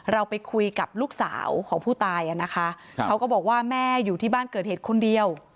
เราไปคุยกับลูกสาวของผู้ตายอ่ะนะคะเขาก็บอกว่าแม่อยู่ที่บ้านเกิดเหตุคนเดียว